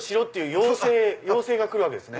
要請が来るわけですね。